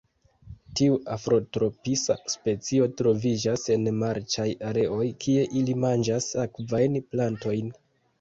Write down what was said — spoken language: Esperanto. Tiu afrotropisa specio troviĝas en marĉaj areoj kie ili manĝas akvajn plantojn.